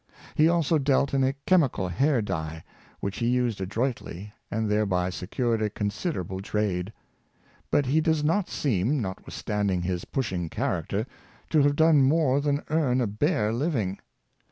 He also dealt in a chemical hair dye, which he used adroitly, and thereby secured a consid erable trade. But he does not seem, notwithstanding his pushing character, to have done more than earn a bare living.